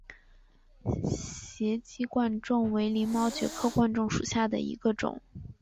斜基贯众为鳞毛蕨科贯众属下的一个种。